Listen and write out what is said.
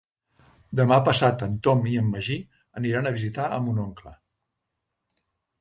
Demà passat en Tom i en Magí aniran a visitar mon oncle.